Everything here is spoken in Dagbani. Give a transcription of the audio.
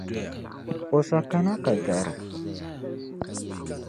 O sa kana ka gari.